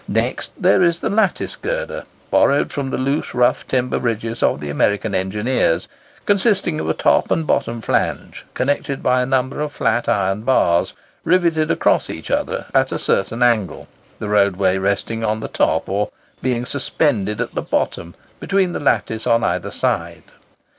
Next there is the Lattice girder, borrowed from the loose rough timber bridges of the American engineers, consisting of a top and bottom flange connected by a number of flat iron bars, riveted across each other at a certain angle, the roadway resting on the top, or being suspended at the bottom between the lattice on either side.